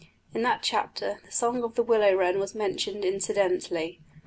In that chapter the song of the willow wren was mentioned incidentally.